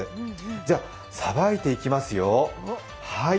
じゃ、さばいていきますよ。